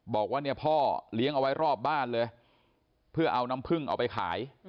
บอกว่าเนี่ยพ่อเลี้ยงเอาไว้รอบบ้านเลยเพื่อเอาน้ำผึ้งเอาไปขาย